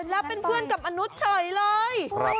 แล้วเป็นเพื่อนกับมนุษย์เฉยเลย